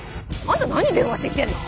あんた何電話してきてんの？